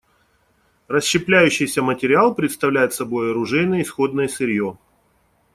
Расщепляющийся материал представляет собой оружейное исходное сырье.